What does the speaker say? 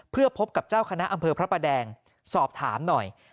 เพื่อพบกับเจ้าคณะอำเภอพระประแดงสอบถามหน่อย